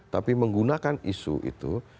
tapi menggunakan isu itu